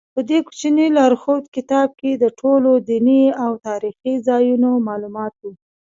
په دې کوچني لارښود کتاب کې د ټولو دیني او تاریخي ځایونو معلومات و.